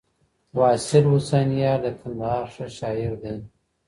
واصل حسنیار د کندهار ښه شاعر دی